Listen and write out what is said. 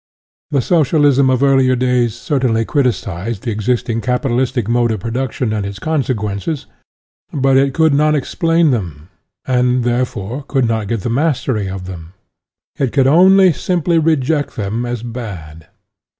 The Socialism of earlier clays cer tainly criticised the existing capitalistic mode of production and its consequences, But it could not explain them, and, there fore, could not get the mastery of them. It could only simply reject them as bad.